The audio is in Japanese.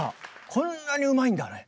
こんなにうまいんだね。